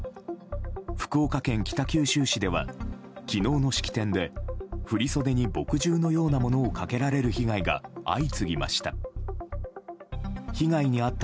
福岡県北九州市では昨日の式典で振り袖に墨汁のようなものをかけられる被害が相次ぎました。